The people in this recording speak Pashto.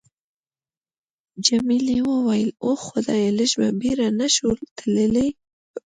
جميلې وويل:: اوه خدایه، لږ په بېړه نه شو تللای؟